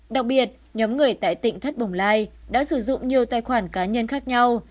đặc biệt nhóm người tại tỉnh thất bồng lai đã sử dụng nhiều tài khoản cá nhân khác nhau